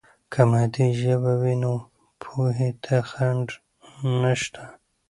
که مادي ژبه وي، نو پوهې ته خنډ نشته.